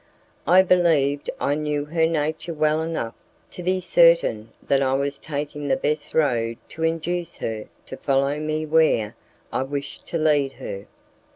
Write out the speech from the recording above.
I believed I knew her nature well enough to be certain that I was taking the best road to induce her to follow me where I wished to lead her.